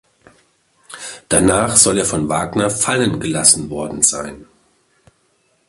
Danach soll er von Wagner fallen gelassen worden sein.